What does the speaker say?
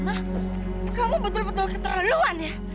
mah kamu betul betul keterlaluan ya